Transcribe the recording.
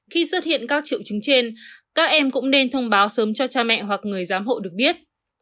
khi xuất hiện các triệu chứng trên các em cũng nên thông báo sớm cho cha mẹ hoặc người giám hộ được biết